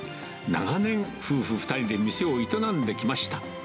長年、夫婦２人で店を営んできました。